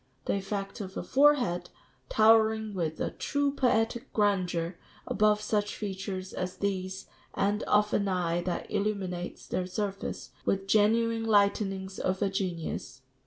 The effect of a forehead, towering with a true poetic grandeur above such features as these, and of an eye that illuminates their surface with genuine lightenings of genius